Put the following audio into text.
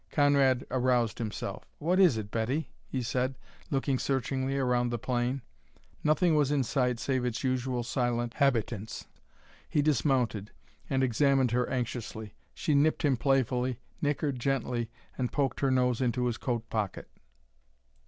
Conrad aroused himself. "What is it, Betty?" he said, looking searchingly around the plain. Nothing was in sight save its usual silent habitants. He dismounted, and examined her anxiously. She nipped him playfully, nickered gently, and poked her nose into his coat pocket.